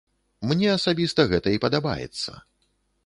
Мне асабіста гэта і падабаецца.